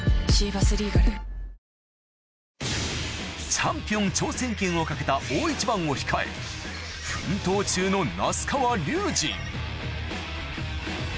チャンピオン挑戦権をかけた大一番を控え奮闘中の那須川龍